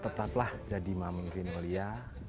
tetaplah jadi mami vinolia